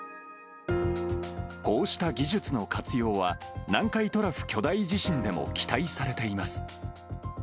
こうした技術の活用は、南海トラフ巨大地震でも期待されています。